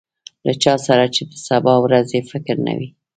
له چا سره چې د سبا ورځې فکر نه وي.